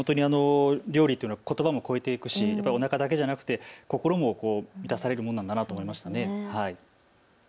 料理というのはことばも越えていくしおなかだけじゃなくて、心も満たされるもんなんだなと思いましたね。